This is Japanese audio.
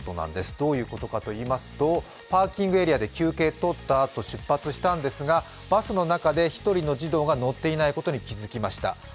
どういうことかといいますとパーキングエリアで休憩を取ったあと出発したんですが、バスの中で１人の児童が乗っていないことに気付きました。